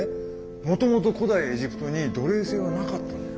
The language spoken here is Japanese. もともと古代エジプトに奴隷制はなかったんだよ。